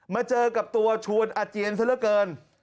มาเจอกับตัวชวนอาเจียนซะละเกิน